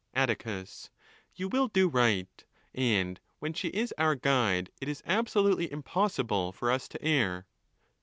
Atticus.—You will do right, and when she is our guide it is absolutely impossible for us to err.